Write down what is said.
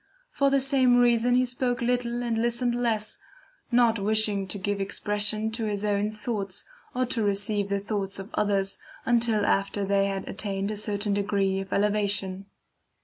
For the same reason he spoke little and listened less, not wishing to give expression to his own thoughts, or to receive the thoughts of others, until after they had attained a certain degree of elevation."